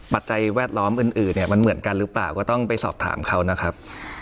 ปัจจัยแวดล้อมอื่นเนี่ยมันเหมือนกันหรือเปล่าก็ต้องไปสอบถามเขานะครับ